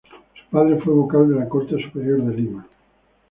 Su padre fue vocal de la Corte Superior de Lima.